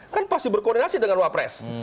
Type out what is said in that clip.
kan pasti berkoordinasi dengan wapres